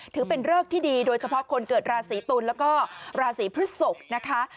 ถือเป็นเริกที่ดีโดยเฉพาะคนเกิดราศีตุลแล้วก็ราศีพฤศกนะคะ